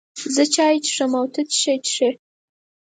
زه چای چکم، او ته څه شی چیکې؟